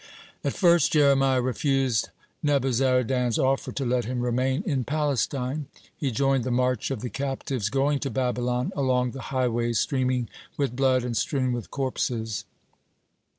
(40) At first Jeremiah refused Nebuzaradan's offer to let him remain in Palestine. He joined the march of the captives going to Babylon, along the highways streaming with blood and strewn with corpses.